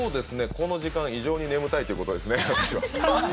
この時間、非常に眠たいっていうことですね。